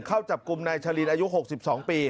เข้าจับกลุ่มนายชะลินอายุ๖๒ปี